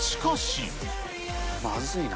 まずいな。